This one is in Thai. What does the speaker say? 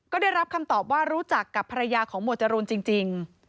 ก็ได้รับคำตอบว่ารู้จักกับภรรยาของหมวดจรูนจริง